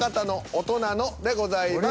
「大人の」でございます。